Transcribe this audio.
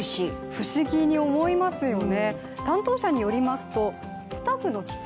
不思議に思いますよね。